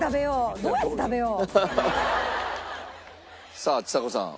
さあちさ子さん。